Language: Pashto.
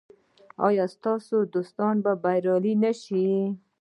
ایا ستاسو دوست به بریالی نه شي؟